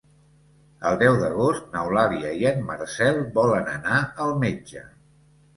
El deu d'agost n'Eulàlia i en Marcel volen anar al metge.